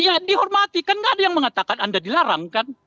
iya dihormati kan tidak ada yang mengatakan anda dilarangkan